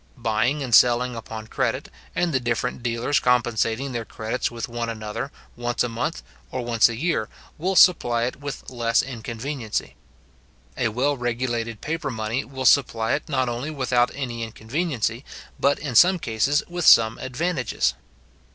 Buying and selling upon credit, and the different dealers compensating their credits with one another, once a month, or once a year, will supply it with less inconveniency. A well regulated paper money will supply it not only without any inconveniency, but, in some cases, with some advantages.